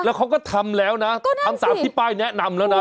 แล้วเขาก็ทำแล้วน่ะก็นั่นสิอันสามที่ป้ายแนะนำแล้วน่ะ